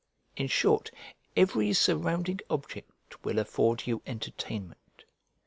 In short, every surrounding object will afford you entertainment.